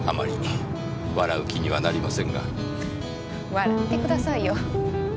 笑ってくださいよ。